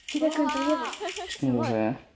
すいません。